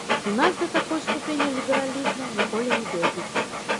У нас да такой ступені лібералізму ніколі не дойдуць.